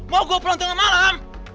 mau gue pulang tengah malam